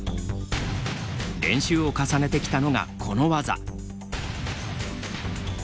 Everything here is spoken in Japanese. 練習を重ねてきたのがこの技。